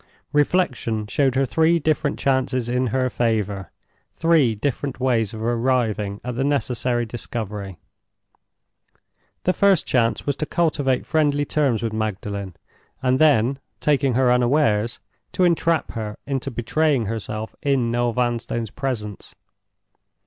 Reflection showed her three different chances in her favor—three different ways of arriving at the necessary discovery. The first chance was to cultivate friendly terms with Magdalen, and then, taking her unawares, to entrap her into betraying herself in Noel Vanstone's presence.